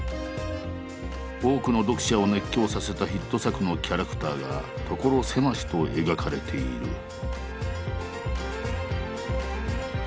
多くの読者を熱狂させたヒット作のキャラクターが所狭しと描かれている。